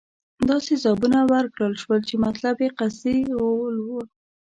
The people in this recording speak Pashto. داسې ځوابونه ورکړل شول چې مطلب یې قصدي غولول وو.